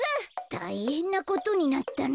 たいへんなことになったな。